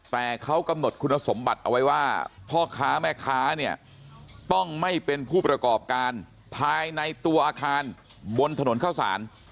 แต่เขากำหนดคุณสมบัติเอาไว้ว่าพ่อค้าแม่ค้าเนี่ยต้องไม่เป็นผู้ประกอบการภายในตัวอาคารบนถนนเข้าสาร